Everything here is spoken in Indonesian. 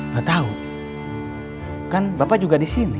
gak tahu kan bapak juga di sini